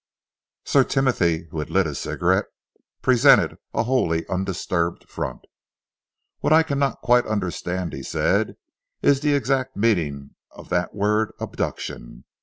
Sir Timothy, who had lit his cigarette, presented a wholly undisturbed front. "What I cannot quite understand," he said, "is the exact meaning of that word 'abduction.'